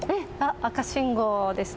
赤信号ですね。